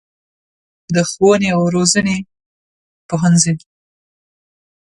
د ښوونې او روزنې پوهنځی